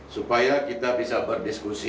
supaya kita bisa berdiskusi